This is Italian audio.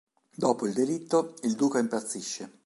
Dopo il delitto, il duca impazzisce.